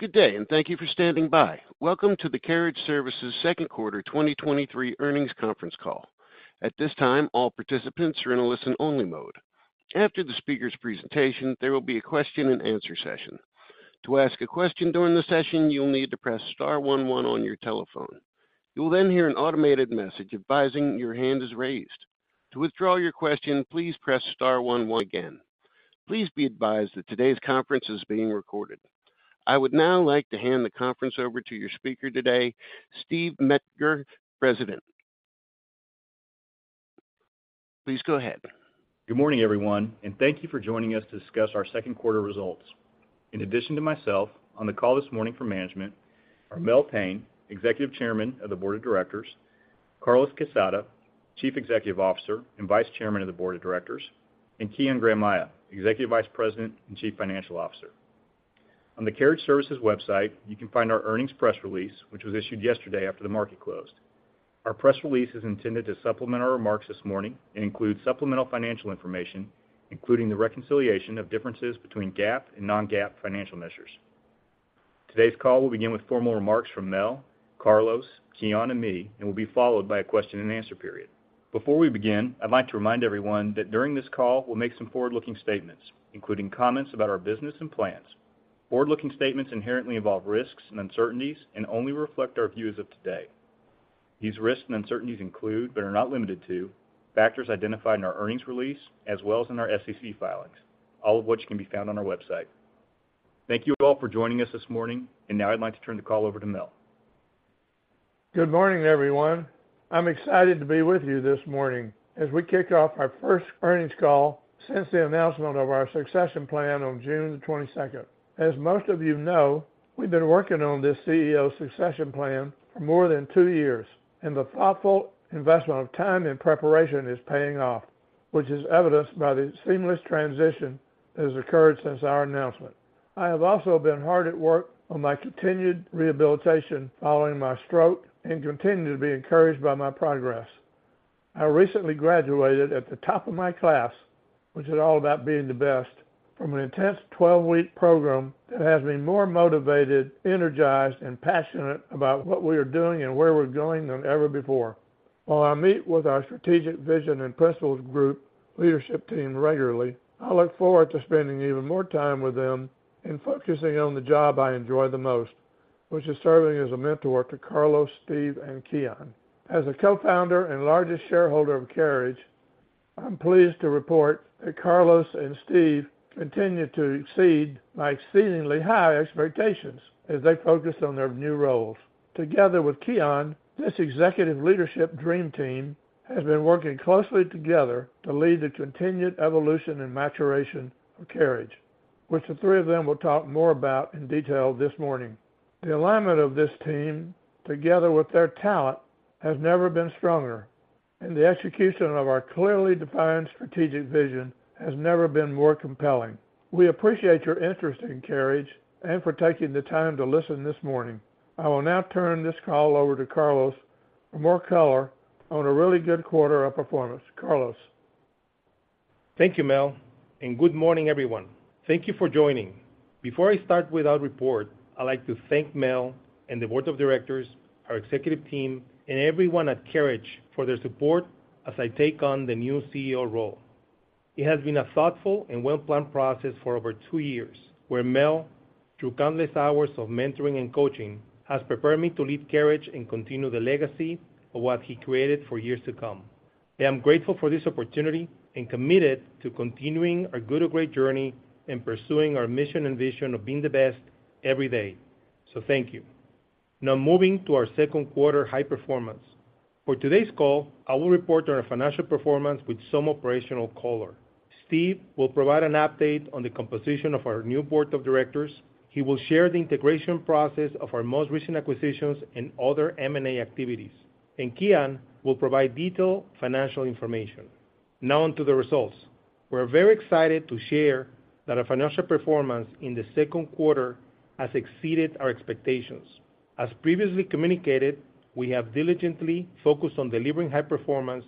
Good day, and thank you for standing by. Welcome to the Carriage Services Q2 2023 earnings conference call. At this time, all participants are in a listen-only mode. After the speaker's presentation, there will be a question-and-answer session. To ask a question during the session, you'll need to press star one one on your telephone. You will then hear an automated message advising your hand is raised. To withdraw your question, please press star one one again. Please be advised that today's conference is being recorded. I would now like to hand the conference over to your speaker today, Steve Metzger, President. Please go ahead. Good morning, everyone, and thank you for joining us to discuss our Q2 results. In addition to myself, on the call this morning for management are Mel Payne, Executive Chairman of the Board of Directors, Carlos Quesada, Chief Executive Officer and Vice Chairman of the Board of Directors, Kian Granmayeh, Executive Vice President and Chief Financial Officer. On the Carriage Services website, you can find our earnings press release, which was issued yesterday after the market closed. Our press release is intended to supplement our remarks this morning and includes supplemental financial information, including the reconciliation of differences between GAAP and non-GAAP financial measures. Today's call will begin with formal remarks from Mel, Carlos, Kian, and me, and will be followed by a question-and-answer period. Before we begin, I'd like to remind everyone that during this call, we'll make some forward-looking statements, including comments about our business and plans. Forward-looking statements inherently involve risks and uncertainties and only reflect our views as of today. These risks and uncertainties include, but are not limited to, factors identified in our earnings release as well as in our SEC filings, all of which can be found on our website. Thank you all for joining us this morning, now I'd like to turn the call over to Mel. Good morning, everyone. I'm excited to be with you this morning as we kick off our first earnings call since the announcement of our succession plan on June 22nd. As most of you know, we've been working on this CEO succession plan for more than two years, and the thoughtful investment of time and preparation is paying off, which is evidenced by the seamless transition that has occurred since our announcement. I have also been hard at work on my continued rehabilitation following my stroke and continue to be encouraged by my progress. I recently graduated at the top of my class, which is all about being the best, from an intense 12-week program that has me more motivated, energized, and passionate about what we are doing and where we're going than ever before. While I meet with our Strategic Vision and Principles Group leadership team regularly, I look forward to spending even more time with them and focusing on the job I enjoy the most, which is serving as a mentor to Carlos, Steve, and Kian. As a co-founder and largest shareholder of Carriage, I'm pleased to report that Carlos and Steve continue to exceed my exceedingly high expectations as they focus on their new roles. Together with Kian, this executive leadership dream team has been working closely together to lead the continued evolution and maturation of Carriage, which the three of them will talk more about in detail this morning. The alignment of this team, together with their talent, has never been stronger, and the execution of our clearly defined strategic vision has never been more compelling. We appreciate your interest in Carriage and for taking the time to listen this morning. I will now turn this call over to Carlos for more color on a really good quarter of performance. Carlos? Thank you, Mel. Good morning, everyone. Thank you for joining. Before I start with our report, I'd like to thank Mel and the board of directors, our executive team, and everyone at Carriage for their support as I take on the new CEO role. It has been a thoughtful and well-planned process for over two years, where Mel, through countless hours of mentoring and coaching, has prepared me to lead Carriage and continue the legacy of what he created for years to come. I am grateful for this opportunity and committed to continuing our good to great journey and pursuing our mission and vision of being the best every day. Thank you. Now, moving to our Q2 high performance. For today's call, I will report on our financial performance with some operational color. Steve will provide an update on the composition of our new board of directors. He will share the integration process of our most recent acquisitions and other M&A activities. Kian will provide detailed financial information. Now on to the results. We're very excited to share that our financial performance in the Q2 has exceeded our expectations. As previously communicated, we have diligently focused on delivering high performance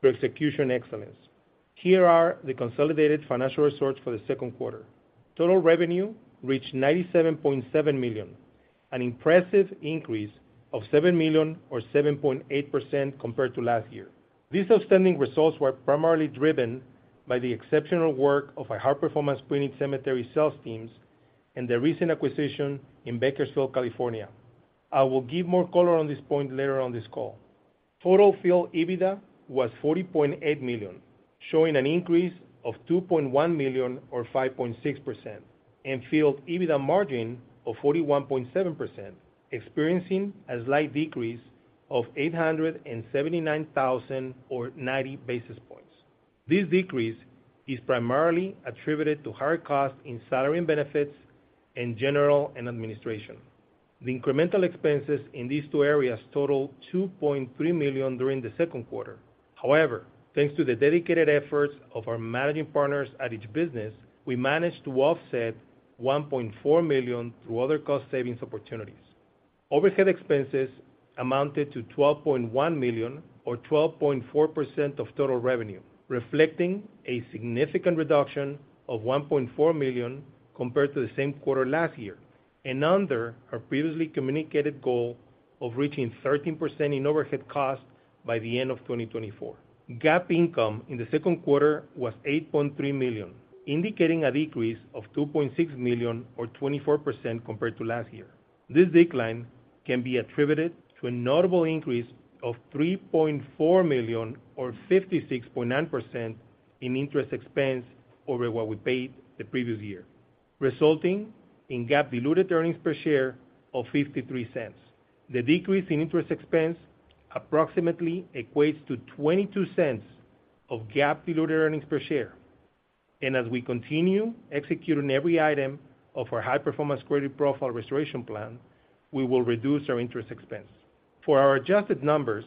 through execution excellence. Here are the consolidated financial results for the Q2. Total revenue reached $97.7 million, an impressive increase of $7 million or 7.8% compared to last year. These outstanding results were primarily driven by the exceptional work of our high-performance pre-need cemetery sales teams and the recent acquisition in Bakersfield, California. I will give more color on this point later on this call. Total field EBITDA was $40.8 million, showing an increase of $2.1 million, or 5.6%, and field EBITDA margin of 41.7%, experiencing a slight decrease of $879,000, or 90 basis points. This decrease is primarily attributed to higher costs in salary and benefits, and general and administration. The incremental expenses in these two areas totaled $2.3 million during the Q2. Thanks to the dedicated efforts of our managing partners at each business, we managed to offset $1.4 million through other cost savings opportunities.... Overhead expenses amounted to $12.1 million, or 12.4% of total revenue, reflecting a significant reduction of $1.4 million compared to the same quarter last year, and under our previously communicated goal of reaching 13% in overhead costs by the end of 2024. GAAP income in the Q2 was $8.3 million, indicating a decrease of $2.6 million, or 24%, compared to last year. This decline can be attributed to a notable increase of $3.4 million, or 56.9%, in interest expense over what we paid the previous year, resulting in GAAP diluted earnings per share of $0.53. The decrease in interest expense approximately equates to $0.22 of GAAP diluted earnings per share. As we continue executing every item of our High Performance and Credit Profile Restoration Plan, we will reduce our interest expense. For our adjusted numbers,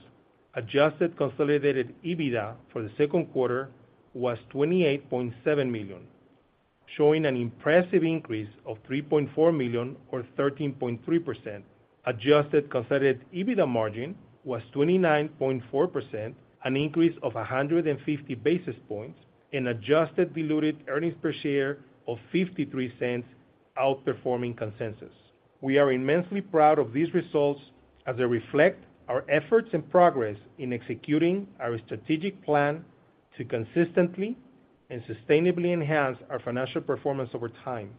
Adjusted Consolidated EBITDA for the Q2 was $28.7 million, showing an impressive increase of $3.4 million, or 13.3%. Adjusted Consolidated EBITDA margin was 29.4%, an increase of 150 basis points, and Adjusted Diluted Earnings Per Share of $0.53, outperforming consensus. We are immensely proud of these results, as they reflect our efforts and progress in executing our strategic plan to consistently and sustainably enhance our financial performance over time.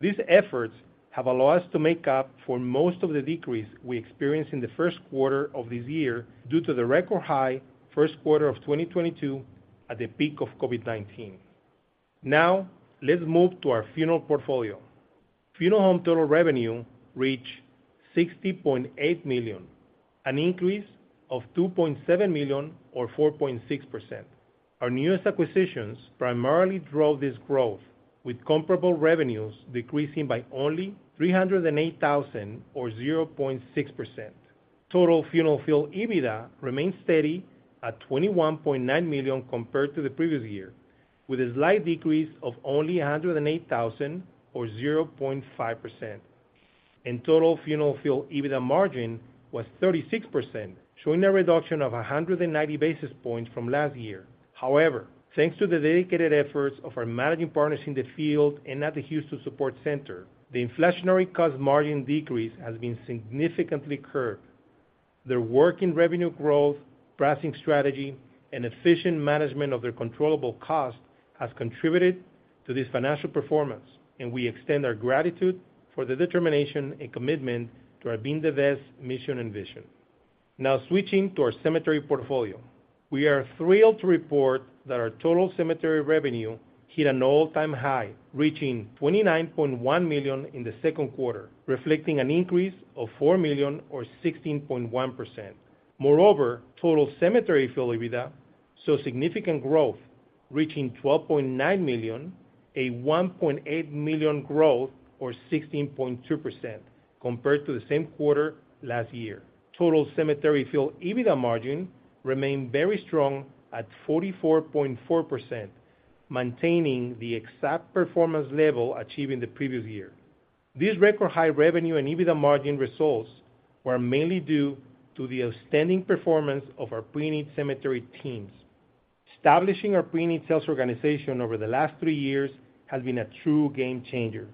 These efforts have allowed us to make up for most of the decrease we experienced in the Q1 of this year, due to the record high Q1 of 2022 at the peak of COVID-19. Now, let's move to our funeral portfolio. Funeral home total revenue reached $60.8 million, an increase of $2.7 million, or 4.6%. Our newest acquisitions primarily drove this growth, with comparable revenues decreasing by only $308,000, or 0.6%. Total funeral field EBITDA remained steady at $21.9 million compared to the previous year, with a slight decrease of only $108,000, or 0.5%. Total funeral field EBITDA margin was 36%, showing a reduction of 190 basis points from last year. However, thanks to the dedicated efforts of our managing partners in the field and at the Houston Support Center, the inflationary cost margin decrease has been significantly curbed. Their work in revenue growth, pricing strategy, and efficient management of their controllable cost has contributed to this financial performance, and we extend our gratitude for the determination and commitment to our Being the Best mission and vision. Now, switching to our cemetery portfolio. We are thrilled to report that our total cemetery revenue hit an all-time high, reaching $29.1 million in the Q2, reflecting an increase of $4 million or 16.1%. Moreover, total cemetery field EBITDA saw significant growth, reaching $12.9 million, a $1.8 million growth, or 16.2%, compared to the same quarter last year. Total cemetery field EBITDA margin remained very strong at 44.4%, maintaining the exact performance level achieved in the previous year. These record high revenue and EBITDA margin results were mainly due to the outstanding performance of our pre-need cemetery teams. Establishing our pre-need sales organization over the last three years has been a true game changer.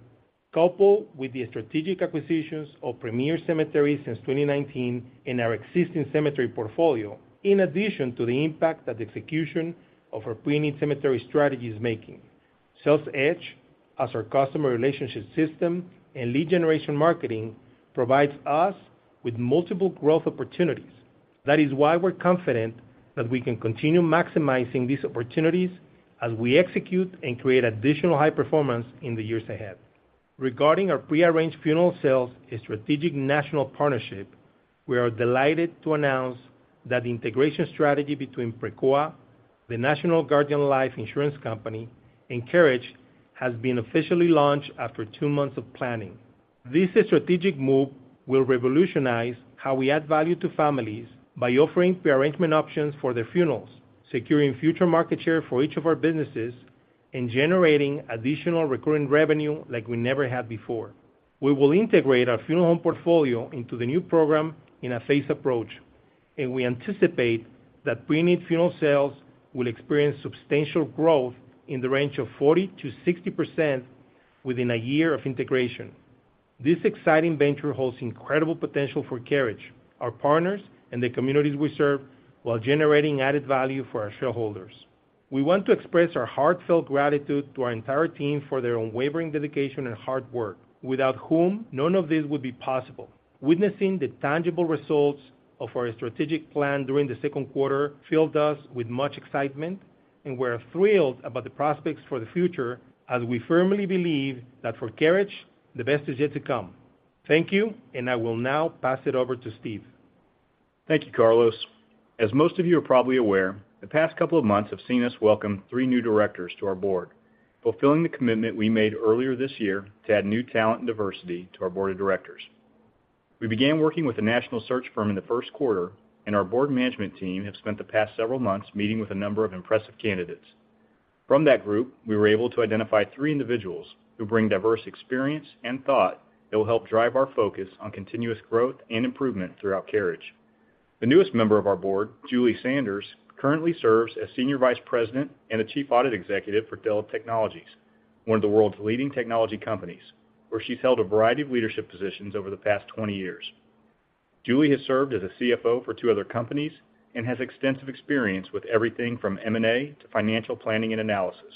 Coupled with the strategic acquisitions of Premier Cemeteries since 2019 and our existing cemetery portfolio, in addition to the impact that the execution of our pre-need cemetery strategy is making. SalesEdge, as our customer relationship system and lead generation marketing, provides us with multiple growth opportunities. That is why we're confident that we can continue maximizing these opportunities as we execute and create additional high performance in the years ahead. Regarding our pre-arranged funeral sales and strategic national partnership, we are delighted to announce that the integration strategy between Precoa, the National Guardian Life Insurance Company, and Carriage, has been officially launched after 2 months of planning. This strategic move will revolutionize how we add value to families by offering pre-arrangement options for their funerals, securing future market share for each of our businesses, and generating additional recurring revenue like we never had before. We will integrate our funeral home portfolio into the new program in a phased approach, and we anticipate that preneed funeral sales will experience substantial growth in the range of 40%-60% within a year of integration. This exciting venture holds incredible potential for Carriage, our partners, and the communities we serve, while generating added value for our shareholders. We want to express our heartfelt gratitude to our entire team for their unwavering dedication and hard work, without whom none of this would be possible. Witnessing the tangible results of our strategic plan during the Q2 filled us with much excitement, and we're thrilled about the prospects for the future, as we firmly believe that for Carriage, the best is yet to come. Thank you. I will now pass it over to Steve. Thank you, Carlos. As most of you are probably aware, the past couple of months have seen us welcome three new directors to our board, fulfilling the commitment we made earlier this year to add new talent and diversity to our board of directors. We began working with a national search firm in the Q1. Our board management team have spent the past several months meeting with a number of impressive candidates. From that group, we were able to identify three individuals who bring diverse experience and thought that will help drive our focus on continuous growth and improvement throughout Carriage. The newest member of our board, Julie Sanders, currently serves as Senior Vice President and a Chief Audit Executive for Dell Technologies, one of the world's leading technology companies, where she's held a variety of leadership positions over the past 20 years. Julie has served as a CFO for two other companies and has extensive experience with everything from M&A to financial planning and analysis.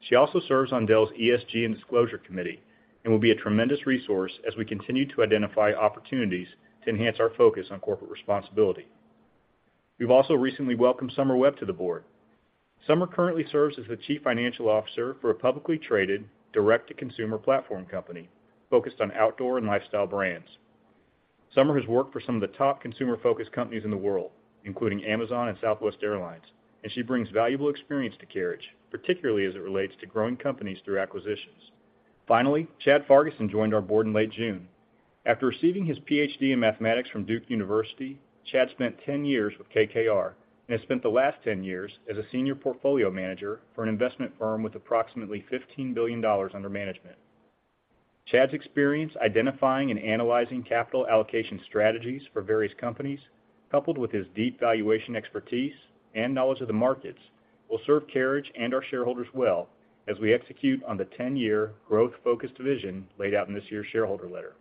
She also serves on Dell's ESG and Disclosure Committee, and will be a tremendous resource as we continue to identify opportunities to enhance our focus on corporate responsibility. We've also recently welcomed Somer Webb to the board. Somer currently serves as the Chief Financial Officer for a publicly traded, direct-to-consumer platform company focused on outdoor and lifestyle brands. Somer has worked for some of the top consumer-focused companies in the world, including Amazon and Southwest Airlines, and she brings valuable experience to Carriage, particularly as it relates to growing companies through acquisitions. Finally, Chad Farguson joined our board in late June. After receiving his Ph.D. in mathematics from Duke University, Chad spent 10 years with KKR, and has spent the last 10 years as a senior portfolio manager for an investment firm with approximately $15 BiIllion under management. Chad's experience identifying and analyzing capital allocation strategies for various companies, coupled with his deep valuation expertise and knowledge of the markets, will serve Carriage and our shareholders well as we execute on the 10-year growth-focused vision laid out in this year's shareholder letter.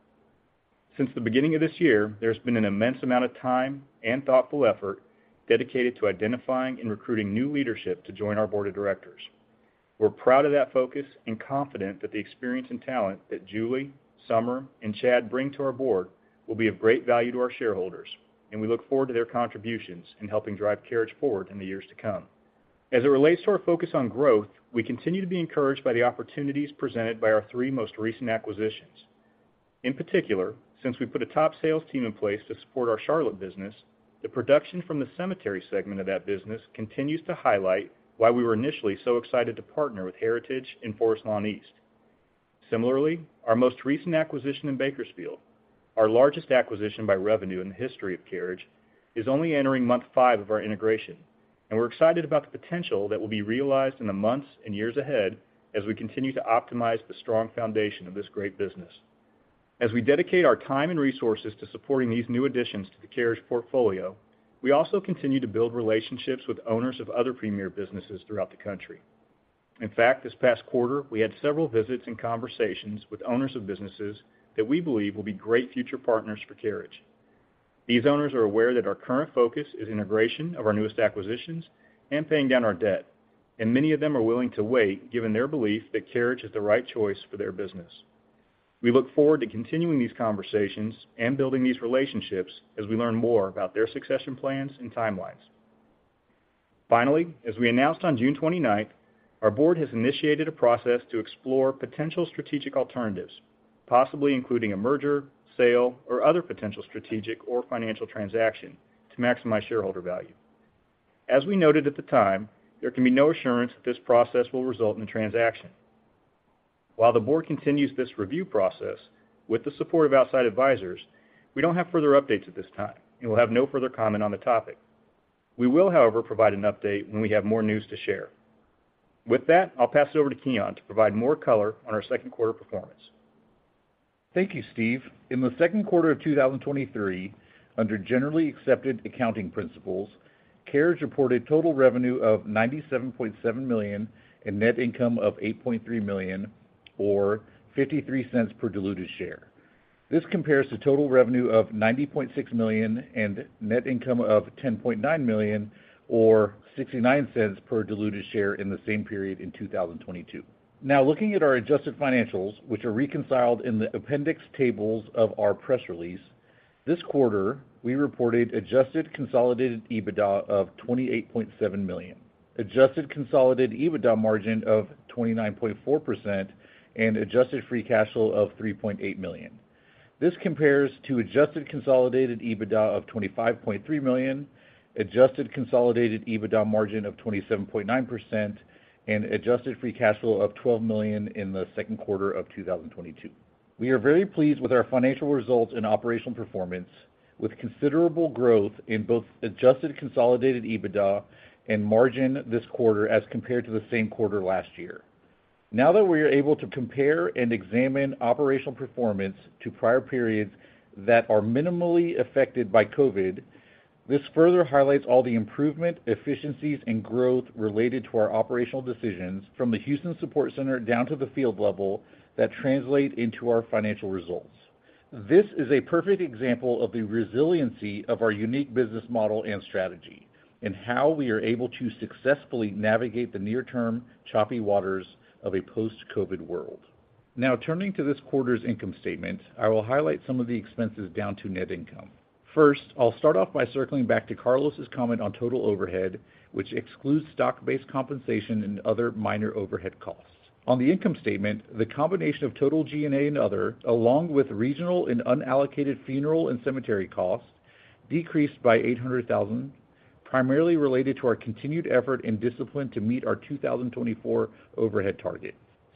Since the beginning of this year, there's been an immense amount of time and thoughtful effort dedicated to identifying and recruiting new leadership to join our board of directors. We're proud of that focus and confident that the experience and talent that Julie, Somer, and Chad bring to our board will be of great value to our shareholders. We look forward to their contributions in helping drive Carriage forward in the years to come. As it relates to our focus on growth, we continue to be encouraged by the opportunities presented by our three most recent acquisitions. In particular, since we put a top sales team in place to support our Charlotte business, the production from the cemetery segment of that business continues to highlight why we were initially so excited to partner with Heritage and Forest Lawn East. Similarly, our most recent acquisition in Bakersfield, our largest acquisition by revenue in the history of Carriage, is only entering month 5 of our integration, and we're excited about the potential that will be realized in the months and years ahead as we continue to optimize the strong foundation of this great business. As we dedicate our time and resources to supporting these new additions to the Carriage portfolio, we also continue to build relationships with owners of other premier businesses throughout the country. In fact, this past quarter, we had several visits and conversations with owners of businesses that we believe will be great future partners for Carriage. These owners are aware that our current focus is integration of our newest acquisitions and paying down our debt, and many of them are willing to wait, given their belief that Carriage is the right choice for their business. We look forward to continuing these conversations and building these relationships as we learn more about their succession plans and timelines. Finally, as we announced on June 29th, our board has initiated a process to explore potential strategic alternatives, possibly including a merger, sale, or other potential strategic or financial transaction to maximize shareholder value. As we noted at the time, there can be no assurance that this process will result in a transaction. While the board continues this review process with the support of outside advisors, we don't have further updates at this time, and we'll have no further comment on the topic. We will, however, provide an update when we have more news to share. With that, I'll pass it over to Kian to provide more color on our Q2 performance. Thank you, Steve. In the Q2 of 2023, under Generally Accepted Accounting Principles, Carriage reported total revenue of $97.7 million and net income of $8.3 million, or $0.53 per diluted share. This compares to total revenue of $90.6 million and net income of $10.9 million, or $0.69 per diluted share in the same period in 2022. Looking at our adjusted financials, which are reconciled in the appendix tables of our press release, this quarter, we reported Adjusted Consolidated EBITDA of $28.7 million, Adjusted Consolidated EBITDA margin of 29.4%, and Adjusted Free Cash Flow of $3.8 million. This compares to Adjusted Consolidated EBITDA of $25.3 million, Adjusted Consolidated EBITDA margin of 27.9%, and Adjusted Free Cash Flow of $12 million in the Q2 of 2022. We are very pleased with our financial results and operational performance, with considerable growth in both Adjusted Consolidated EBITDA and margin this quarter as compared to the same quarter last year. Now that we are able to compare and examine operational performance to prior periods that are minimally affected by COVID-19, this further highlights all the improvement, efficiencies, and growth related to our operational decisions from the Houston Support Center down to the field level that translate into our financial results. This is a perfect example of the resiliency of our unique business model and strategy, and how we are able to successfully navigate the near-term choppy waters of a post-COVID-19 world. Turning to this quarter's income statement, I will highlight some of the expenses down to net income. First, I'll start off by circling back to Carlos's comment on total overhead, which excludes stock-based compensation and other minor overhead costs. On the income statement, the combination of total G&A and other, along with regional and unallocated funeral and cemetery costs, decreased by $800,000, primarily related to our continued effort and discipline to meet our 2024 overhead target.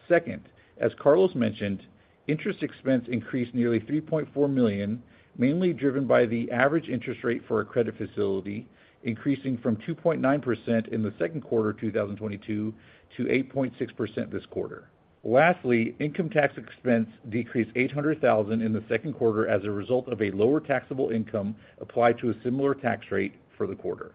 Second, as Carlos mentioned, interest expense increased nearly $3.4 million, mainly driven by the average interest rate for a credit facility, increasing from 2.9% in the Q2 of 2022 to 8.6% this quarter. Lastly, income tax expense decreased $800,000 in the Q2 as a result of a lower taxable income applied to a similar tax rate for the quarter.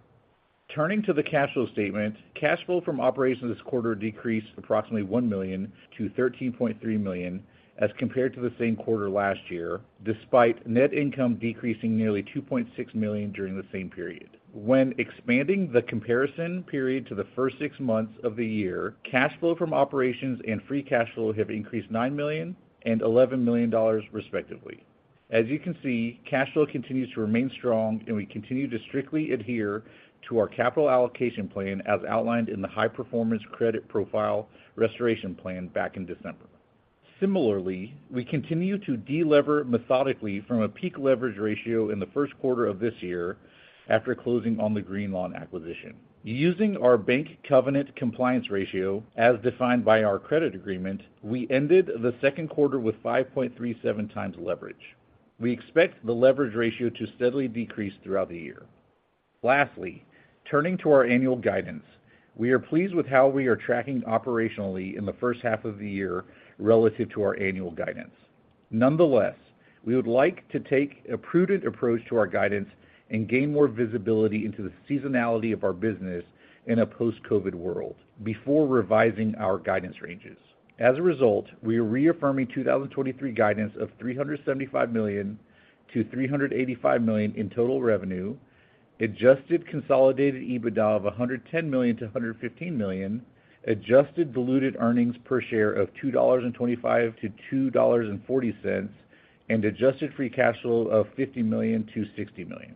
Turning to the cash flow statement, cash flow from operations this quarter decreased approximately $1 million to $13.3 million as compared to the same quarter last year, despite net income decreasing nearly $2.6 million during the same period. When expanding the comparison period to the first six months of the year, cash flow from operations and free cash flow have increased $9 million and $11 million, respectively. As you can see, cash flow continues to remain strong, and we continue to strictly adhere to our capital allocation plan as outlined in the High Performance and Credit Profile Restoration Plan back in December. Similarly, we continue to delever methodically from a peak leverage ratio in the Q1 of this year after closing on the Greenlawn acquisition. Using our bank covenant compliance ratio, as defined by our credit agreement, we ended the Q2 with 5.37x leverage. We expect the leverage ratio to steadily decrease throughout the year. Lastly, turning to our annual guidance, we are pleased with how we are tracking operationally in the H1 of the year relative to our annual guidance. Nonetheless, we would like to take a prudent approach to our guidance and gain more visibility into the seasonality of our business in a post-COVID world before revising our guidance ranges. As a result, we are reaffirming 2023 guidance of $375 million-$385 million in total revenue, Adjusted Consolidated EBITDA of $110 million-$115 million, Adjusted Diluted Earnings Per Share of $2.25-$2.40, and Adjusted Free Cash Flow of $50 million-$60 million.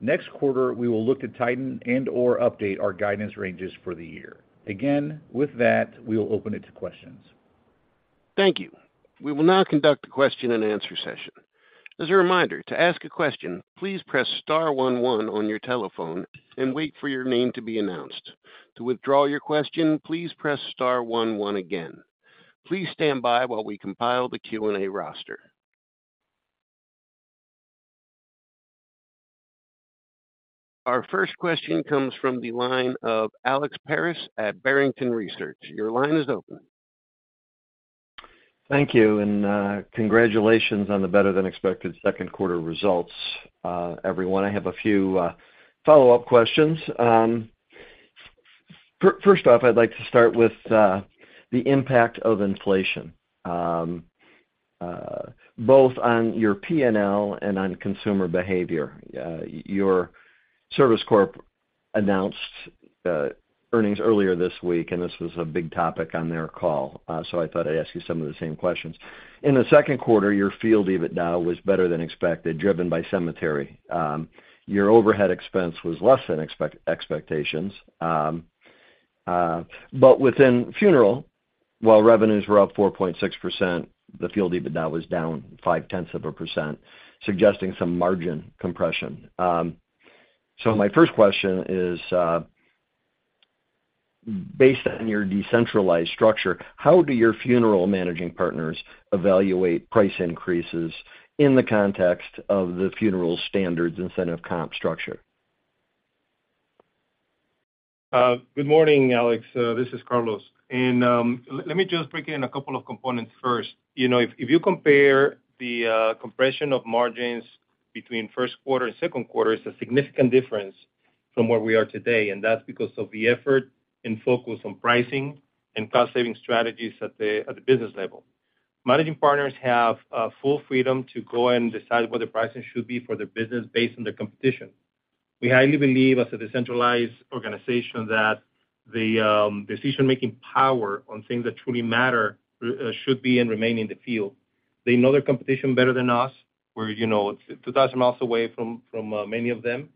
Next quarter, we will look to tighten and or update our guidance ranges for the year. Again, with that, we'll open it to questions. Thank you. We will now conduct a question-and-answer session. As a reminder, to ask a question, please press star one, one on your telephone and wait for your name to be announced. To withdraw your question, please press star one, one again. Please stand by while we compile the Q&A roster. Our first question comes from the line of Alex Paris at Barrington Research. Your line is open. Thank you, congratulations on the better-than-expected Q2 results, everyone. I have a few follow-up questions. First off, I'd like to start with the impact of inflation, both on your P&L and on consumer behavior. Your Service Corp announced earnings earlier this week, and this was a big topic on their call, so I thought I'd ask you some of the same questions. In the Q2, your field EBITDA was better than expected, driven by cemetery. Your overhead expense was less than expectations, but within funeral, while revenues were up 4.6%, the field EBITDA was down 0.5%, suggesting some margin compression. My first question is, based on your decentralized structure, how do your funeral managing partners evaluate price increases in the context of the funeral standards incentive comp structure? Good morning, Alex. This is Carlos. Let me just break in a couple of components first. You know, if, if you compare the compression of margins between Q1 and Q2, it's a significant difference from where we are today, and that's because of the effort and focus on pricing and cost-saving strategies at the, at the business level. Managing partners have full freedom to go and decide what the pricing should be for their business based on the competition. We highly believe, as a decentralized organization, that the decision-making power on things that truly matter should be and remain in the field. They know their competition better than us. We're, you know, 2,000 miles away from, from many of them,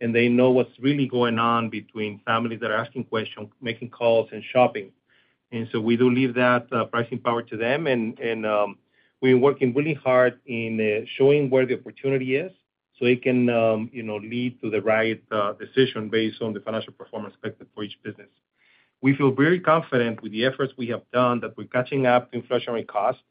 and they know what's really going on between families that are asking questions, making calls, and shopping. We do leave that pricing power to them, we're working really hard in showing where the opportunity is, so it can, you know, lead to the right decision based on the financial performance expected for each business. We feel very confident with the efforts we have done, that we're catching up to inflationary costs,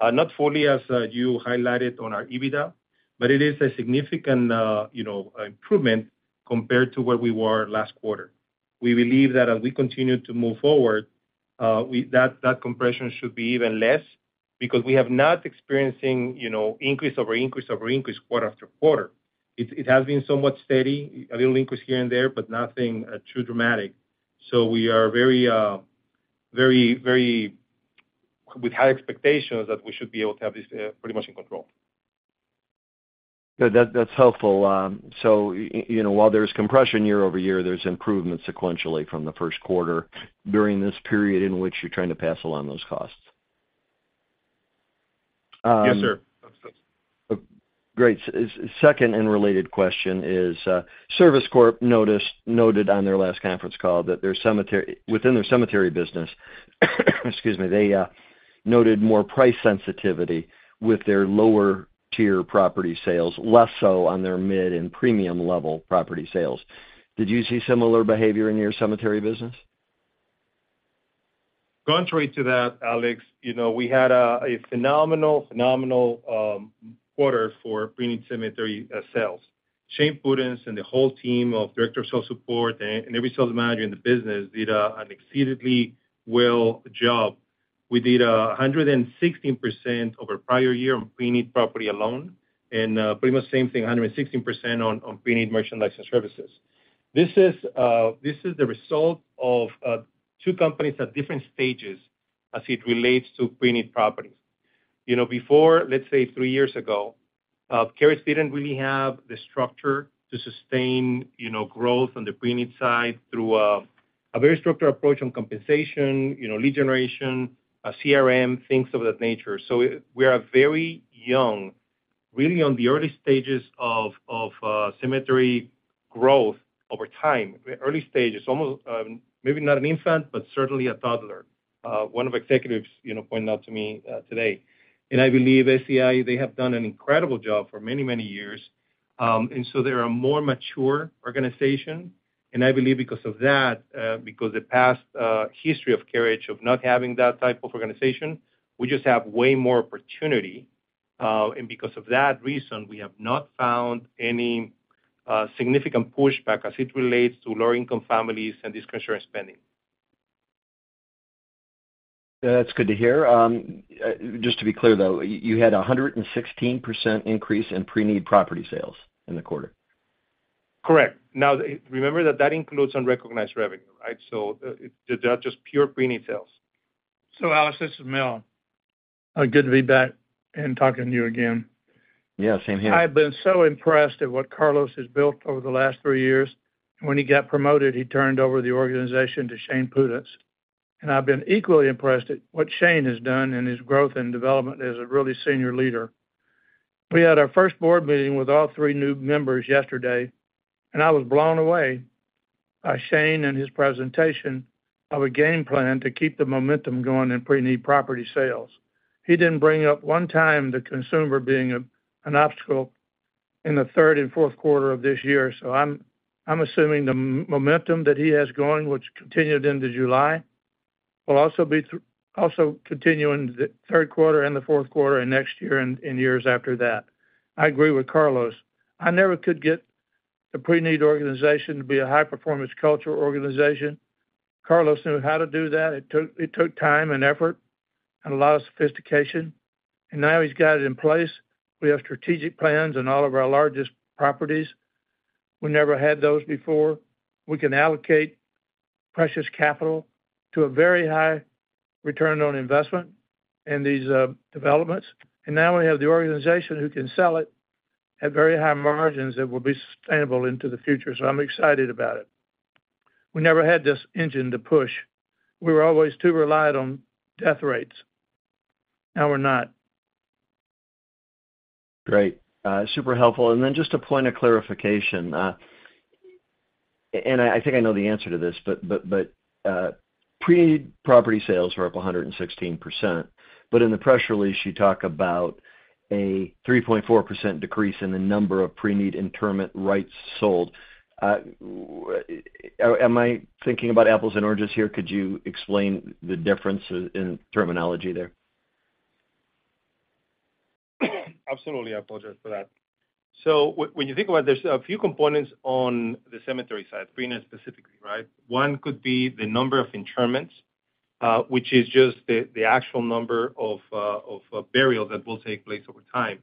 not fully, as you highlighted on our EBITDA, but it is a significant, you know, improvement compared to where we were last quarter. We believe that as we continue to move forward, that compression should be even less because we have not experiencing, you know, increase over increase over increase, quarter after quarter. It has been somewhat steady, a little increase here and there, but nothing too dramatic. We are very... With high expectations that we should be able to have this pretty much in control. Good. That, that's helpful. You know, while there's compression year-over-year, there's improvement sequentially from the Q1 during this period in which you're trying to pass along those costs. Yes, sir. Great. Second and related question is, Service Corp noted on their last conference call that their cemetery within their cemetery business, excuse me, they noted more price sensitivity with their lower-tier property sales, less so on their mid and premium-level property sales. Did you see similar behavior in your cemetery business? Contrary to that, Alex, you know, we had a, a phenomenal, phenomenal quarter for preneed cemetery sales. Shane Pudenz and the whole team of director of sales support and every sales manager in the business did a, an exceedingly well job. We did 116% over prior year on preneed property alone, and pretty much same thing, 116% on, on preneed merchant license services. This is, this is the result of two companies at different stages as it relates to preneed properties. You know, before, let's say three years ago, Carriage didn't really have the structure to sustain, you know, growth on the preneed side through a very structured approach on compensation, you know, lead generation, CRM, things of that nature. We are very young, really, on the early stages of, of cemetery growth over time. Early stages, almost, maybe not an infant, but certainly a toddler, one of executives, you know, pointed out to me today. I believe SCI, they have done an incredible job for many, many years. They're a more mature organization, and I believe because of that, because the past history of Carriage, of not having that type of organization, we just have way more opportunity. Because of that reason, we have not found any significant pushback as it relates to lower-income families and discretionary spending. That's good to hear. Just to be clear, though, you had a 116% increase in preneed property sales in the quarter? Correct. Now, remember that that includes unrecognized revenue, right? They're just pure preneed sales. Alex, this is Mel. Good to be back and talking to you again. Yeah, same here. I've been so impressed at what Carlos has built over the last three years. When he got promoted, he turned over the organization to Shane Pudenz, and I've been equally impressed at what Shane has done and his growth and development as a really senior leader. We had our first board meeting with all three new members yesterday, and I was blown away by Shane and his presentation of a game plan to keep the momentum going in preneed property sales. He didn't bring up one time the consumer being an obstacle in the third and fourth quarter of this year, so I'm, I'm assuming the momentum that he has going, which continued into July, will also continue in the Q3 and the fourth quarter and next year and years after that. I agree with Carlos. I never could get the preneed organization to be a high-performance cultural organization. Carlos knew how to do that. It took time and effort and a lot of sophistication. Now he's got it in place. We have strategic plans in all of our largest properties. We never had those before. We can allocate precious capital to a very high return on investment in these developments. Now we have the organization who can sell it at very high margins that will be sustainable into the future. I'm excited about it. We never had this engine to push. We were always too relied on death rates. Now we're not. Great. Super helpful. Just a point of clarification, and I, I think I know the answer to this, preneed property sales are up 116%, but in the press release, you talk about a 3.4% decrease in the number of preneed interment rights sold. Am I thinking about apples and oranges here? Could you explain the difference in, in terminology there? Absolutely. I apologize for that. When you think about this, there are a few components on the cemetery side, preneed specifically, right? One could be the number of interments, which is just the, the actual number of, of, burial that will take place over time.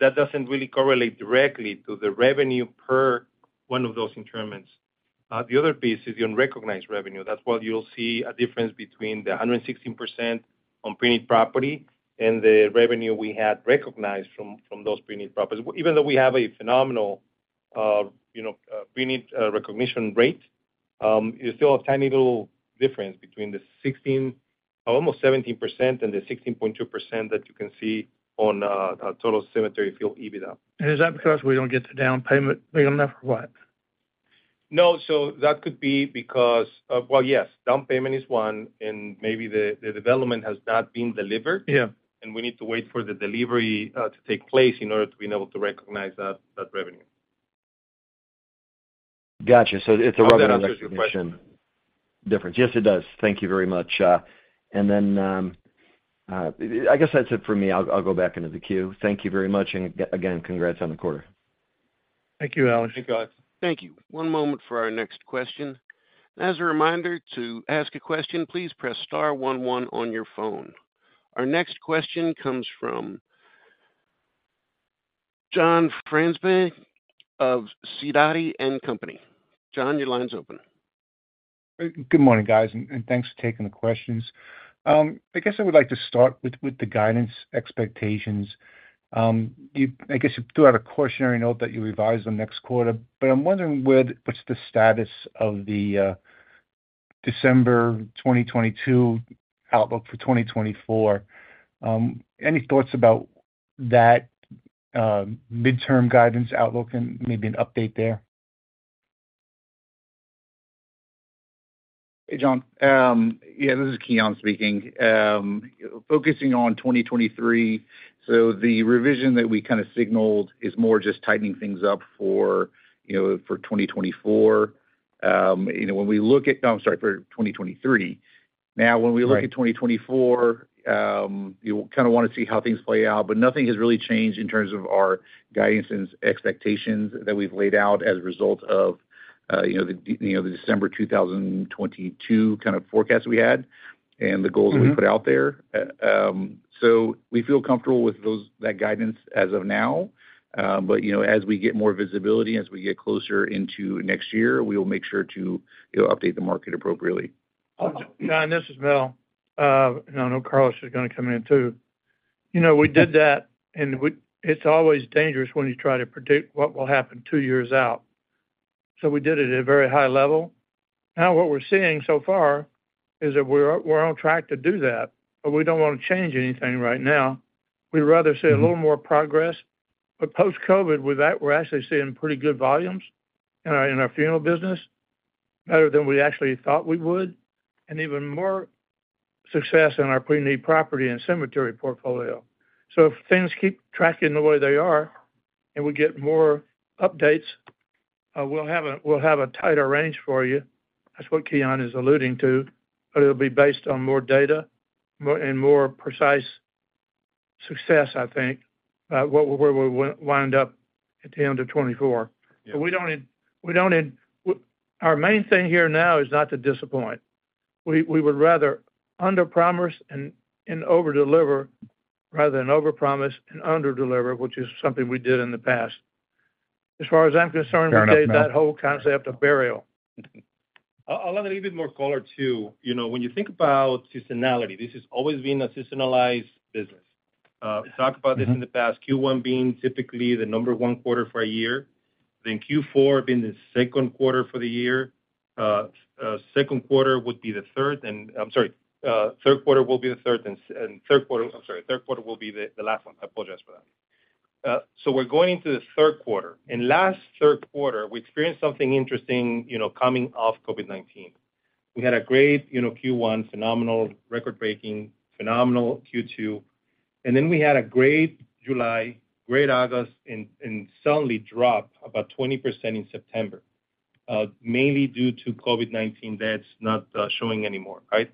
That doesn't really correlate directly to the revenue per one of those interments. The other piece is the unrecognized revenue. That's what you'll see a difference between the 116% on preneed property and the revenue we had recognized from those preneed properties. Even though we have a phenomenal, you know, preneed recognition rate, you still have a tiny little difference between the 16%, almost 17%, and the 16.2% that you can see on our total cemetery field, EBITDA. Is that because we don't get the down payment big enough, or what? No. That could be because. Well, yes, down payment is one, and maybe the, the development has not been delivered. Yeah. We need to wait for the delivery, to take place in order to be able to recognize that revenue. Gotcha. It's a recognition- I hope that answers your question. -difference. Yes, it does. Thank you very much. and then, I guess that's it for me. I'll, I'll go back into the queue. Thank you very much, and again, congrats on the quarter. Thank you, Alex. Thank you, guys. Thank you. One moment for our next question. As a reminder to ask a question, please press star one one on your phone. Our next question comes from John Franzreb of Sidoti & Company. John, your line's open. Good morning, guys, and thanks for taking the questions. I guess I would like to start with, with the guidance expectations. I guess you do have a cautionary note that you revise the next quarter, but I'm wondering where, what's the status of the December 2022 outlook for 2024? Any thoughts about that, midterm guidance outlook and maybe an update there? Hey, John, yeah, this is Kian speaking. Focusing on 2023, the revision that we kind of signaled is more just tightening things up for, you know, for 2024. You know, when we look at, I'm sorry, for 2023. When we look at 2024, you kind of want to see how things play out, but nothing has really changed in terms of our guidance and expectations that we've laid out as a result of, you know, the, you know, the December 2022 kind of forecast we had and the goals that we put out there. We feel comfortable with those, that guidance as of now. As we get more visibility, as we get closer into next year, we will make sure to, you know, update the market appropriately. Yeah, this is Mel. I know Carlos is going to come in too. You know, we did that, and it's always dangerous when you try to predict what will happen two years out. We did it at a very high level. What we're seeing so far is that we're, we're on track to do that, but we don't want to change anything right now. We'd rather see a little more progress. Post-COVID, with that, we're actually seeing pretty good volumes in our, in our funeral business, better than we actually thought we would, and even more success in our pre-need property and cemetery portfolio. If things keep tracking the way they are and we get more updates, we'll have a, we'll have a tighter range for you. That's what Kian is alluding to, but it'll be based on more data, more, and more precise success, I think, where we wind up at the end of 2024. Yeah. We don't need, we don't need... Our main thing here now is not to disappoint. We, we would rather under promise and, and overdeliver, rather than overpromise and underdeliver, which is something we did in the past. As far as I'm concerned... Fair enough, Mel. We take that whole concept of burial. I'll add a little bit more color, too. You know, when you think about seasonality, this has always been a seasonalized business. We talked about this in the past, Q1 being typically the number one quarter for a year, then Q4 being the Q2 for the year. Q2 would be the third, and I'm sorry, Q3 will be the third and Q3-- I'm sorry, Q3 will be the, the last one. I apologize for that. We're going into the Q3, and last Q3, we experienced something interesting, you know, coming off COVID-19. We had a great, you know, Q1, phenomenal, record-breaking, phenomenal Q2, and then we had a great July, great August, and suddenly dropped about 20% in September, mainly due to COVID-19 deaths not showing anymore, right?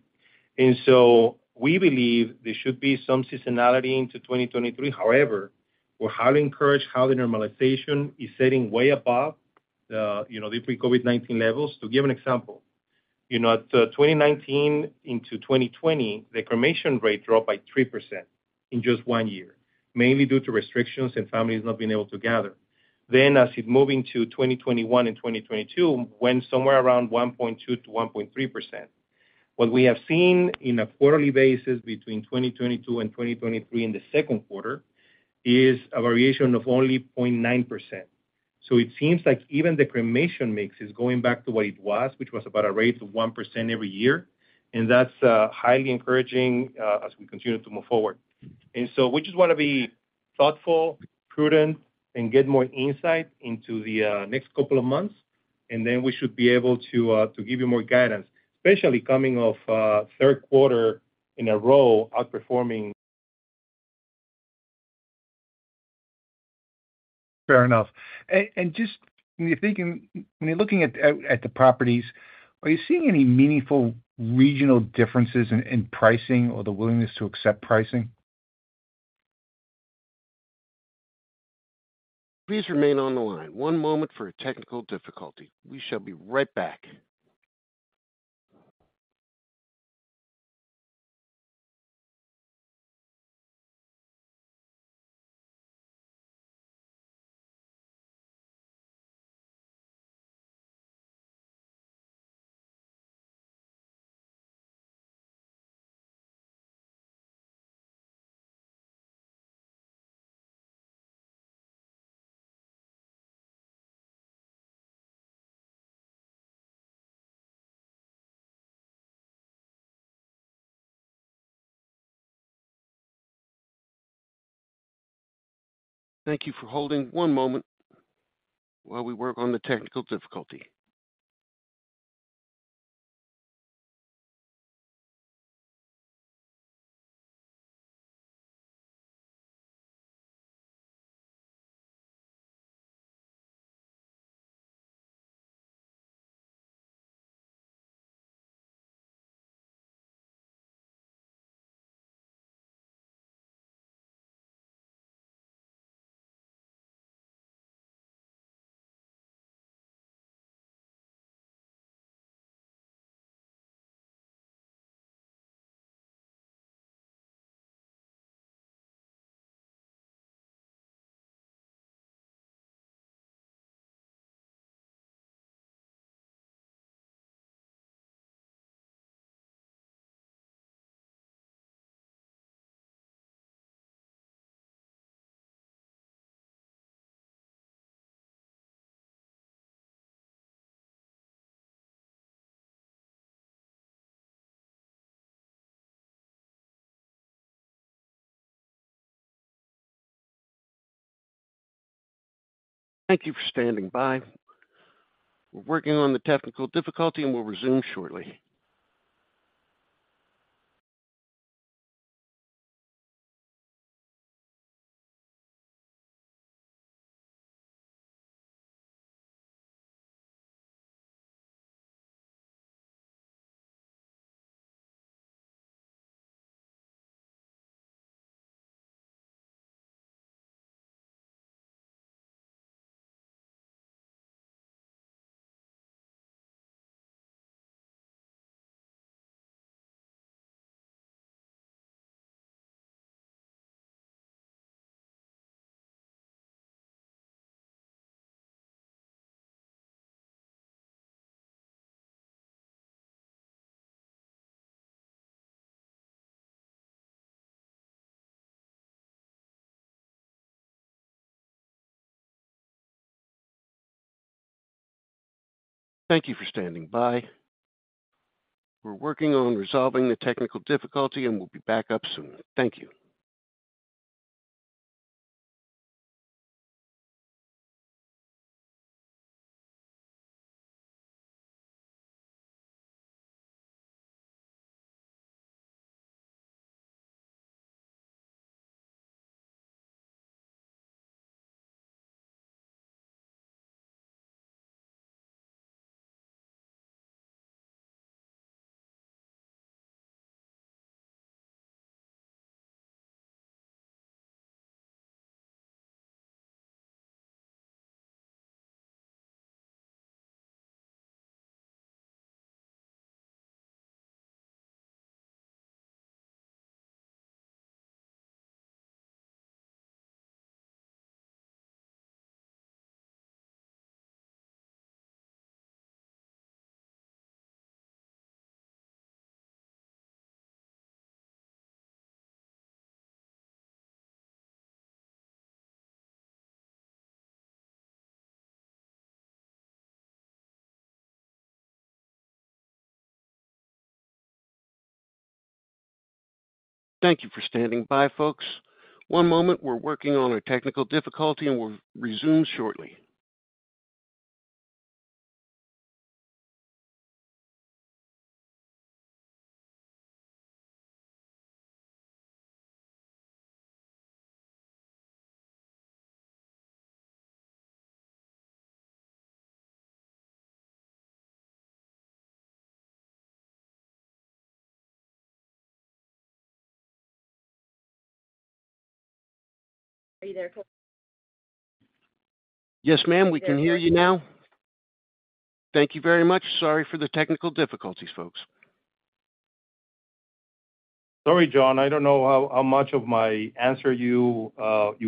We believe there should be some seasonality into 2023. However, we're highly encouraged how the normalization is setting way above the, you know, the pre-COVID-19 levels. To give an example, you know, at 2019 into 2020, the cremation rate dropped by 3% in just one year, mainly due to restrictions and families not being able to gather. As it moved into 2021 and 2022, went somewhere around 1.2%-1.3%. What we have seen in a quarterly basis between 2022 and 2023 in the Q2 is a variation of only 0.9%. It seems like even the cremation mix is going back to what it was, which was about a rate of 1% every year, and that's highly encouraging as we continue to move forward. We just want to be thoughtful, prudent, and get more insight into the next two months, and then we should be able to give you more guidance, especially coming off a Q3 in a row, outperforming. Fair enough. Just when you're thinking, when you're looking at, at the properties, are you seeing any meaningful regional differences in, in pricing or the willingness to accept pricing? Please remain on the line. One moment for a technical difficulty. We shall be right back. Thank you for holding. One moment while we work on the technical difficulty. Thank you for standing by. We're working on resolving the technical difficulty, and we'll be back up soon. Thank you. Thank you for standing by, folks. One moment. We're working on a technical difficulty and we'll resume shortly. Are you there, Cole? Yes, ma'am, we can hear you now. Thank you very much. Sorry for the technical difficulties, folks. Sorry, John. I don't know how, how much of my answer you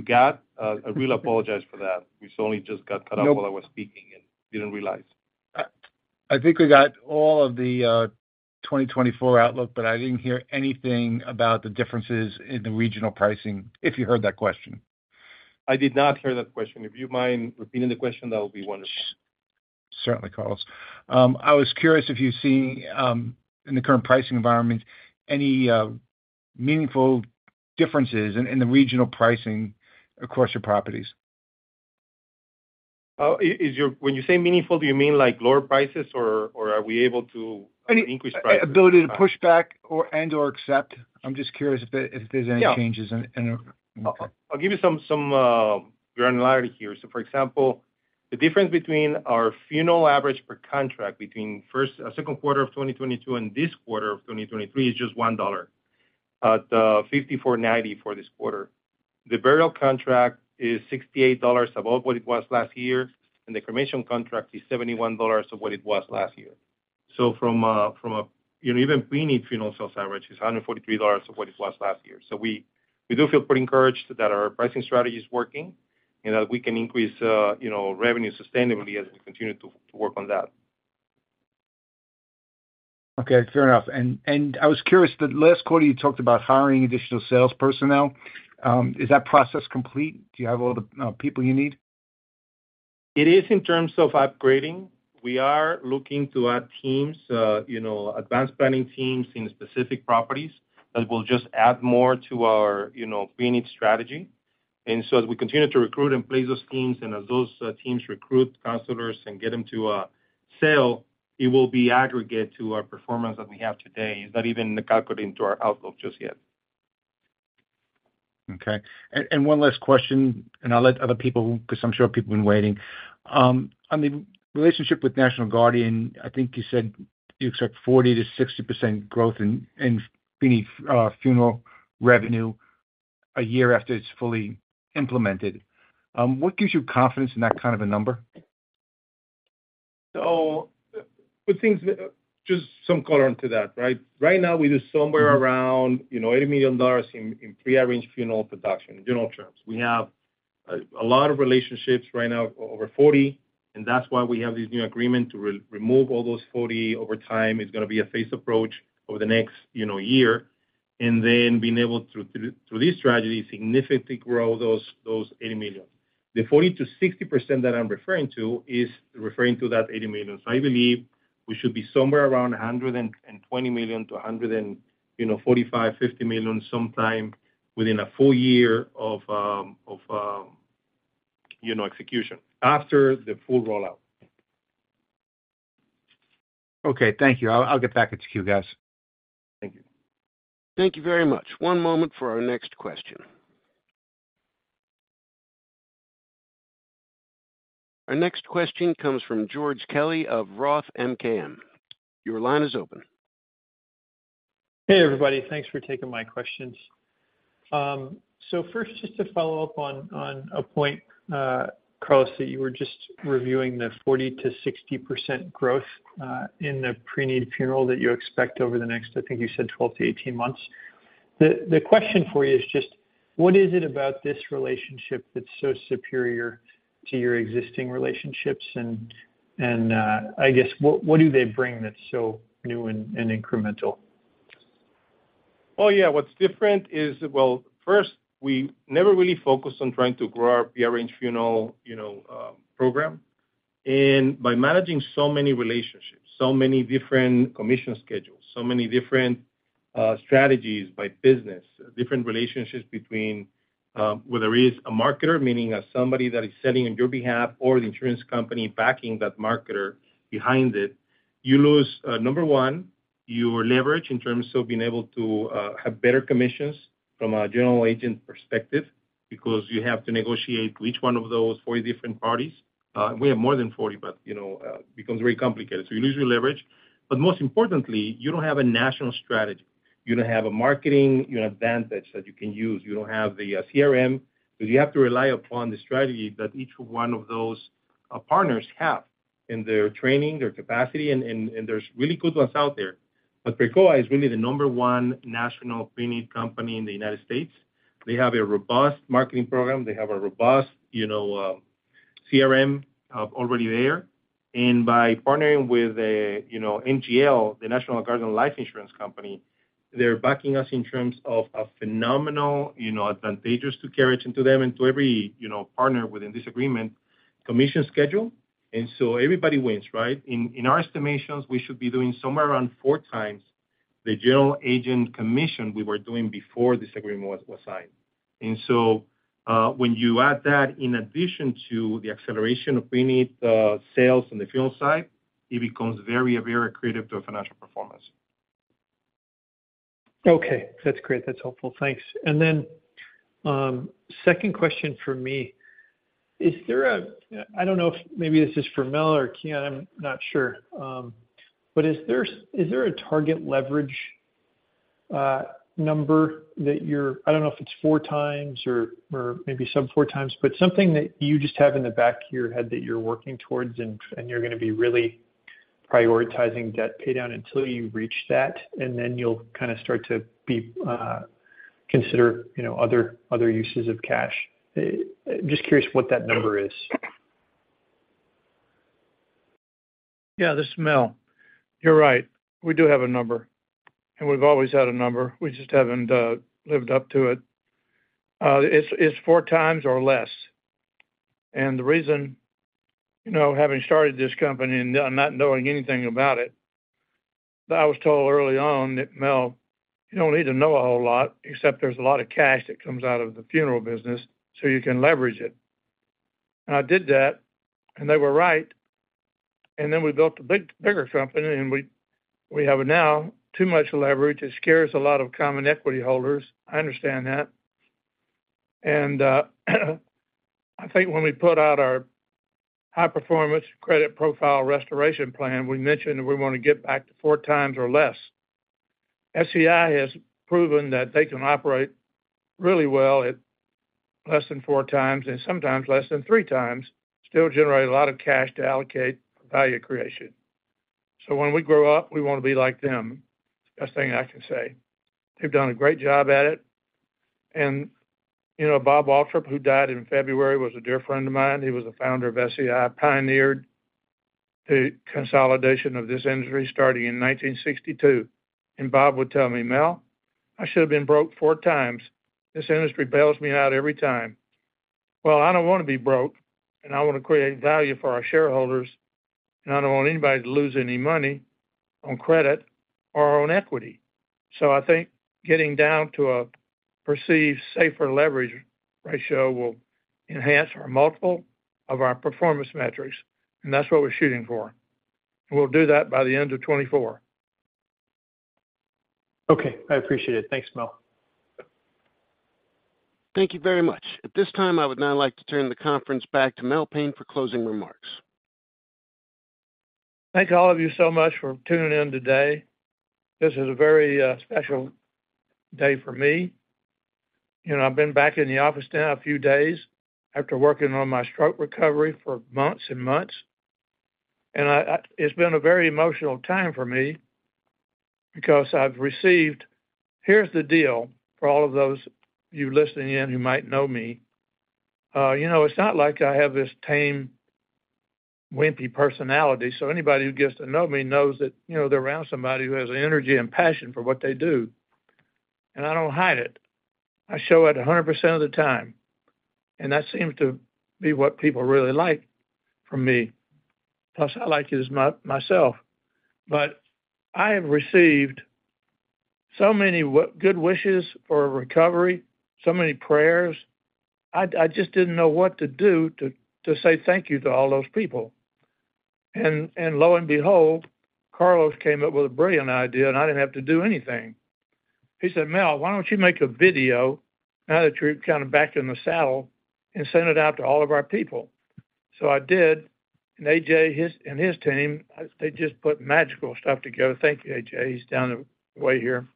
got. I really apologize for that. We suddenly just got cut off- Nope. while I was speaking and didn't realize. I think we got all of the 2024 outlook, but I didn't hear anything about the differences in the regional pricing, if you heard that question? I did not hear that question. If you mind repeating the question, that would be wonderful. Certainly, Carlos. I was curious if you see, in the current pricing environment, any meaningful differences in, in the regional pricing across your properties? Is, when you say meaningful, do you mean, like, lower prices or, or are we able to? Any increase prices? Ability to push back or, and, or accept. I'm just curious if there, if there's any changes in, in... Yeah. I'll give you some, some granularity here. For example, the difference between our funeral average per contract between first, Q2 of 2022 and this quarter of 2023 is just $1, at $5,490 for this quarter. The burial contract is $68 above what it was last year, and the cremation contract is $71 of what it was last year. From a, from a, you know, even preneed funeral sales average is $143 of what it was last year. We, we do feel pretty encouraged that our pricing strategy is working, and that we can increase, you know, revenue sustainably as we continue to, to work on that. Okay, fair enough. I was curious, but last quarter you talked about hiring additional sales personnel. Is that process complete? Do you have all the people you need? It is in terms of upgrading. We are looking to add teams, you know, advanced planning teams in specific properties that will just add more to our, you know, pre-need strategy. So as we continue to recruit and place those teams, and as those teams recruit counselors and get them to sell, it will be aggregate to our performance that we have today. It's not even calculated into our outlook just yet. Okay. One last question, and I'll let other people... 'Cause I'm sure people have been waiting. On the relationship with National Guardian, I think you said you expect 40%-60% growth in pre-need funeral revenue a year after it's fully implemented. What gives you confidence in that kind of a number? Just some color onto that, right? Right now, we do somewhere around, you know, $80 million in prearranged funeral production, in general terms. We have a lot of relationships right now, over 40, and that's why we have this new agreement to re-remove all those 40 over time. It's gonna be a phased approach over the next, you know, year, and then being able to, through this strategy, significantly grow those $80 million. The 40%-60% that I'm referring to, is referring to that $80 million. I believe we should be somewhere around $120 million to $145 million-$150 million, sometime within a full year of, of, you know, execution after the full rollout. Okay, thank you. I'll, I'll get back into queue, guys. Thank you. Thank you very much. One moment for our next question. Our next question comes from George Kelly of Roth MKM. Your line is open. Hey, everybody. Thanks for taking my questions. So first, just to follow up on, on a point, Carlos, that you were just reviewing the 40%-60% growth in the pre-need funeral that you expect over the next, I think you said 12-18 months. The, the question for you is just, what is it about this relationship that's so superior to your existing relationships? I guess, what, what do they bring that's so new and, and incremental? Oh, yeah. What's different is, Well, first, we never really focused on trying to grow our pre-arranged funeral, you know, program. By managing so many relationships, so many different commission schedules, so many different strategies by business, different relationships between, whether it's a marketer, meaning somebody that is selling on your behalf or the insurance company backing that marketer behind it, you lose, number one, your leverage in terms of being able to have better commissions from a general agent perspective, because you have to negotiate with each one of those 40 different parties. We have more than 40, but, you know, it becomes very complicated. You lose your leverage. Most importantly, you don't have a national strategy. You don't have a marketing advantage that you can use. You don't have the CRM, so you have to rely upon the strategy that each one of those partners have in their training, their capacity, and, and, and there's really good ones out there. Precoa is really the number one national pre-need company in the United States. They have a robust marketing program. They have a robust, you know, CRM already there. By partnering with a, you know, NGL, the National Guardian Life Insurance Company, they're backing us in terms of a phenomenal, you know, advantageous to Carriage into them and to every, you know, partner within this agreement, commission schedule. Everybody wins, right? In our estimations, we should be doing somewhere around four times the general agent commission we were doing before this agreement was signed. When you add that in addition to the acceleration of preneed sales on the funeral side, it becomes very, very accretive to our financial performance. Okay, that's great. That's helpful. Thanks. Second question for me: Is there a... I don't know if maybe this is for Mel or Kian, I'm not sure. Is there a target leverage number that you're... I don't know if it's 4x or, or maybe sub 4x, but something that you just have in the back of your head that you're working towards, and, and you're gonna be really prioritizing debt paydown until you reach that, and then you'll kinda start to be, consider, you know, other, other uses of cash? Just curious what that number is. Yeah, this is Mel. You're right. We do have a number, and we've always had a number. We just haven't lived up to it. It's, it's 4x or less. The reason, you know, having started this company and not knowing anything about it, but I was told early on that, "Mel, you don't need to know a whole lot, except there's a lot of cash that comes out of the funeral business, so you can leverage it." I did that, and they were right. Then we built a big, bigger company, and we, we have now too much leverage. It scares a lot of common equity holders. I understand that. I think when we put out our High Performance and Credit Profile Restoration Plan, we mentioned we wanna get back to 4x or less. SCI has proven that they can operate really well at less than 4 times, and sometimes less than 3 times, still generate a lot of cash to allocate value creation. When we grow up, we wanna be like them. Best thing I can say. They've done a great job at it. You know, Bob Waltrip, who died in February, was a dear friend of mine. He was the founder of SCI, pioneered the consolidation of this industry, starting in 1962. Bob would tell me, "Mel, I should have been broke 4x. This industry bails me out every time." Well, I don't wanna be broke, and I wanna create value for our shareholders, and I don't want anybody to lose any money on credit or on equity. I think getting down to a perceived safer leverage ratio will enhance our multiple of our performance metrics, and that's what we're shooting for. We'll do that by the end of 2024. Okay, I appreciate it. Thanks, Mel. Thank you very much. At this time, I would now like to turn the conference back to Mel Payne for closing remarks. Thank all of you so much for tuning in today. This is a very special day for me. You know, I've been back in the office now a few days after working on my stroke recovery for months and months, and it's been a very emotional time for me because I've received... Here's the deal for all of those of you listening in who might know me. You know, it's not like I have this tame, wimpy personality, so anybody who gets to know me knows that, you know, they're around somebody who has an energy and passion for what they do, and I don't hide it. I show it 100% of the time, and that seems to be what people really like from me, plus I like it as myself. I have received... Many good wishes for recovery, so many prayers. I, I just didn't know what to do to, to say thank you to all those people. Lo and behold, Carlos came up with a brilliant idea, and I didn't have to do anything. He said, "Mel, why don't you make a video now that you're kinda back in the saddle and send it out to all of our people?" I did, AJ, his, and his team, they just put magical stuff together. Thank you, AJ. He's down the way here.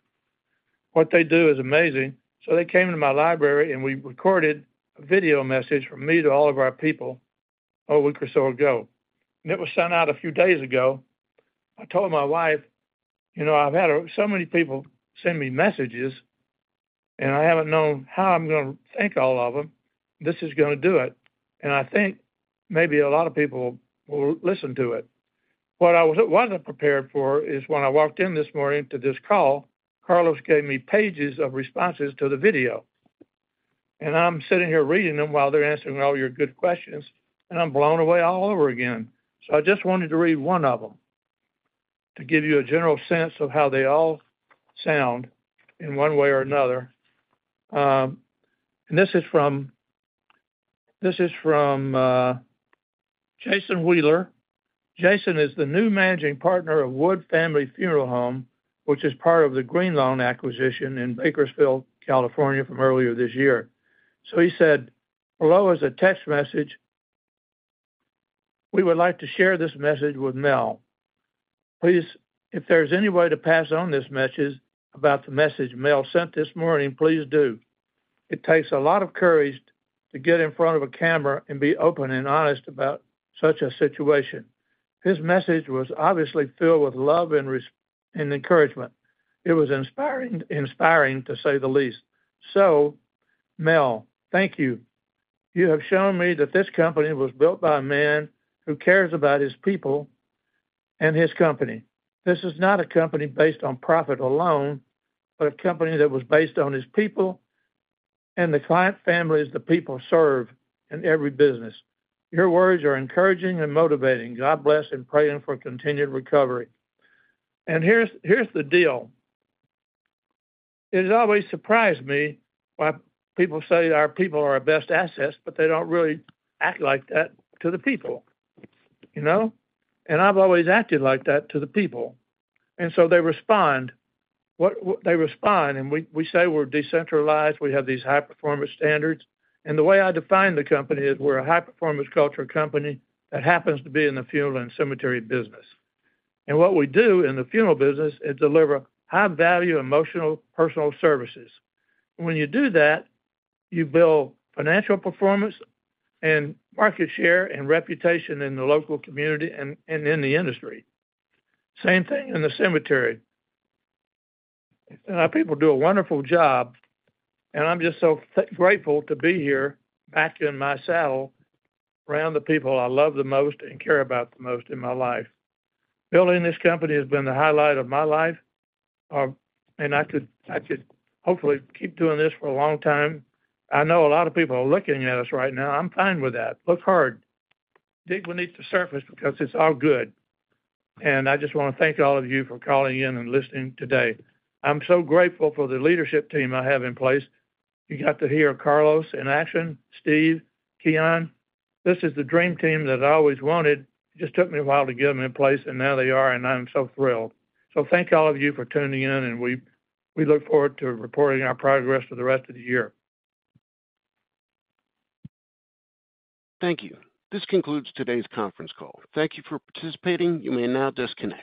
What they do is amazing. They came to my library, and we recorded a video message from me to all of our people a week or so ago. It was sent out a few days ago. I told my wife, "You know, I've had so many people send me messages, and I haven't known how I'm gonna thank all of them. This is gonna do it, and I think maybe a lot of people will, will listen to it." What I wasn't prepared for is when I walked in this morning to this call, Carlos gave me pages of responses to the video, and I'm sitting here reading them while they're answering all your good questions, and I'm blown away all over again. So I just wanted to read one of them to give you a general sense of how they all sound in one way or another. This is from Jason Wheeler. Jason is the new managing partner of Wood Family Funeral Home, which is part of the Greenlawn acquisition in Bakersfield, California, from earlier this year. He said, "Below is a text message. We would like to share this message with Mel. Please, if there's any way to pass on this message about the message Mel sent this morning, please do. It takes a lot of courage to get in front of a camera and be open and honest about such a situation. His message was obviously filled with love and encouragement. It was inspiring, inspiring, to say the least. Mel, thank you. You have shown me that this company was built by a man who cares about his people and his company. This is not a company based on profit alone, but a company that was based on his people and the client families the people serve in every business. Your words are encouraging and motivating. God bless and praying for continued recovery." Here's the deal: It has always surprised me why people say our people are our best assets, but they don't really act like that to the people, you know? I've always acted like that to the people, and so they respond. They respond, and we say we're decentralized, we have these high-performance standards, and the way I define the company is we're a high-performance culture company that happens to be in the funeral and cemetery business. What we do in the funeral business is deliver high-value, emotional, personal services. When you do that, you build financial performance and market share and reputation in the local community and, and in the industry. Same thing in the cemetery. Our people do a wonderful job, and I'm just so grateful to be here, back in my saddle, around the people I love the most and care about the most in my life. Building this company has been the highlight of my life, and I could, I could hopefully keep doing this for a long time. I know a lot of people are looking at us right now. I'm fine with that. Look hard. Dig beneath the surface because it's all good. I just wanna thank all of you for calling in and listening today. I'm so grateful for the leadership team I have in place. You got to hear Carlos in action, Steve, Kian. This is the dream team that I always wanted. It just took me a while to get them in place, and now they are, and I'm so thrilled. Thank all of you for tuning in, and we, we look forward to reporting our progress for the rest of the year. Thank you. This concludes today's conference call. Thank you for participating. You may now disconnect.